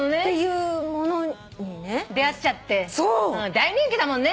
大人気だもんね。